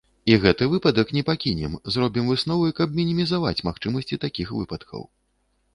І гэты выпадак не пакінем, зробім высновы, каб мінімізаваць магчымасці такіх выпадкаў.